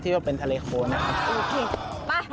ว่าเป็นทะเลโคนนะครับ